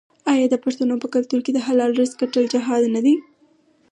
آیا د پښتنو په کلتور کې د حلال رزق ګټل جهاد نه دی؟